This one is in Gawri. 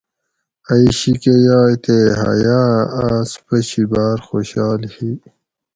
ائ شی کہۤ یائ تے حیا اۤ آس پشی باۤر خوشحال ہی